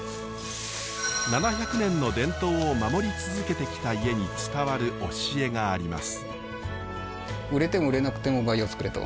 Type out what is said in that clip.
７００年の伝統を守り続けてきた家に伝わる教えがあります。